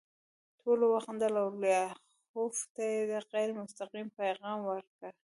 ټولو وخندل او لیاخوف ته یې غیر مستقیم پیغام ورکړ